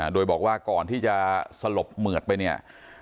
โดยบอกว่าก่อนที่จะสลบเหมือดไปเนี่ย